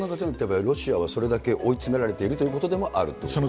ロシアはそれだけ追い詰められているということでもあるということですか。